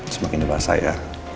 semakin diperasa ya